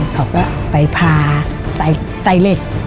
เขาก็ไปพาใส่เล็ก